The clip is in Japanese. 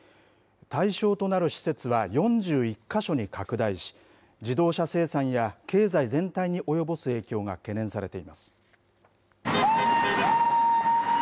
対象となる施設は４１か所に拡大し、自動車生産や経済全体に及ぼす影響が懸念されています。